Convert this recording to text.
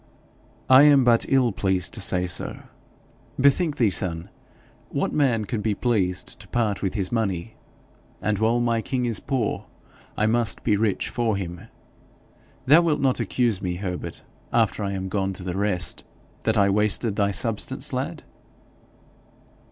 'I am but evil pleased to say so. Bethink thee, son what man can be pleased to part with his money? And while my king is poor, I must be rich for him. Thou wilt not accuse me, Herbert, after I am gone to the rest, that I wasted thy substance, lad?'